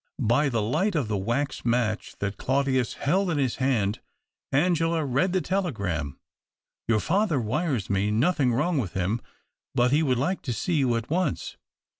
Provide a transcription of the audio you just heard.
By the light of the wax match that Claudius held in his hand, Angela read the telegram. " Your father wires me nothing wrong with him, but he would like to see you at once.